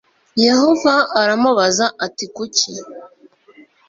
yehova aramubaza ati kuki